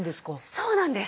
そうなんです。